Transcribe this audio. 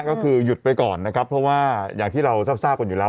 ก็คือหยุดไปก่อนนะครับเพราะว่าอย่างที่เราทราบกันอยู่แล้ว